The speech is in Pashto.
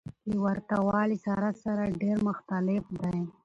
له ورته والي سره سره ډېر مختلف دى.